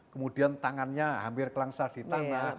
kemudian tangannya hampir kelangsa di tanah